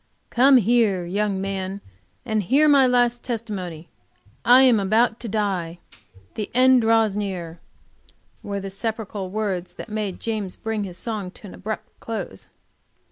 "Come here, young man, and hear my last testimony. I am about to die. The end draws near," were the sepulchral words that made him bring his song to an abrupt close.